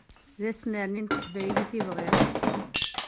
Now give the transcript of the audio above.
D asnerni n teqbaylit i bɣiɣ.